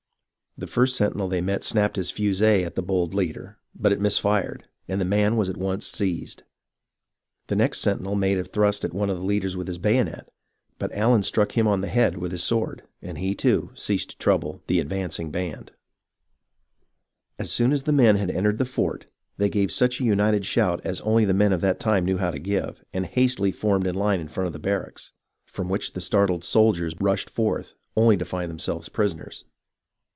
The first sentinel they met snapped his fusee at the bold leader, but it missed fire, and the man was at once seized. The next sentinel made a thrust at one of the leaders with his bayonet, but Allen struck him on the head with his sword, and he, too, ceased to trouble the advancing band. THE FALL OF FORT TICONDEROGA 55 As soon as the men had entered the fort, they gave such a united shout as only the men of that time knew how to give, and hastily formed in line in front of the barracks, from which the startled soldiers rushed forth, only to find themselves prisoners.